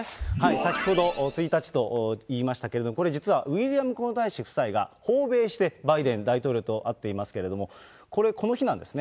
先ほど１日と言いましたけれども、これ、実はウィリアム皇太子夫妻が訪米して、バイデン大統領と会っていますけれども、これ、この日なんですね。